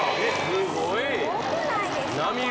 すごいすごくないですか？